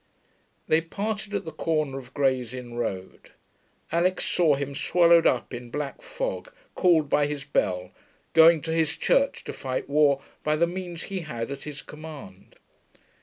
They parted at the corner of Gray's Inn Road. Alix saw him swallowed up in black fog, called by his bell, going to his church to fight war by the means he had at his command.